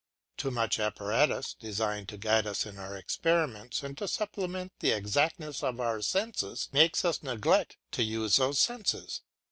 Too much apparatus, designed to guide us in our experiments and to supplement the exactness of our senses, makes us neglect to use those senses.